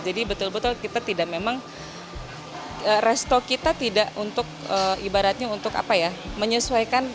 jadi betul betul kita tidak memang resto kita tidak untuk ibaratnya untuk apa ya menyesuaikan